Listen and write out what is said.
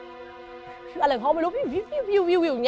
อะไรของเขาไม่รู้ผิวผิวผิว